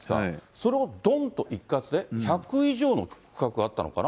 それをどんと一括で、１００以上の区画があったのかな？